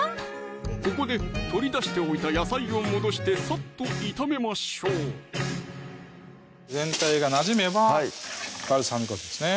ここで取り出しておいた野菜を戻してさっと炒めましょう全体がなじめばバルサミコ酢ですね